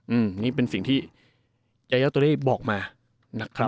อืมนี่เป็นสิ่งที่ยายาเตอรี่บอกมานะครับ